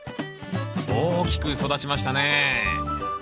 大きく育ちましたね